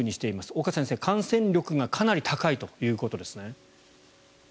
岡先生、感染力がかなり高いということですね。